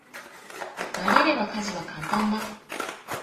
慣れれば家事は簡単だ。